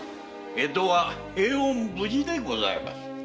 江戸は平穏無事でございます。